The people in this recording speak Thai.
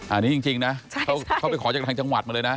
อันนี้จริงนะเขาไปขอจากทางจังหวัดมาเลยนะ